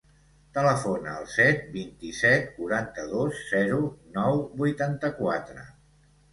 Telefona al set, vint-i-set, quaranta-dos, zero, nou, vuitanta-quatre.